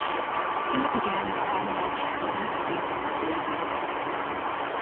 Here began their unmatched winning streak of a day race.